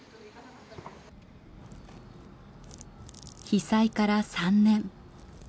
被災から３年。